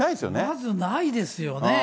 まずないですよね。